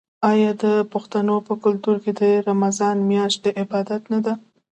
آیا د پښتنو په کلتور کې د رمضان میاشت د عبادت نه ده؟